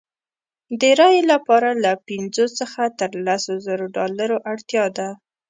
د رایې لپاره له پنځو څخه تر لسو زرو ډالرو اړتیا ده.